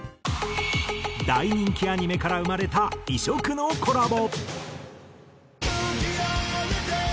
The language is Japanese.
大人気アニメから生まれた異色のコラボ。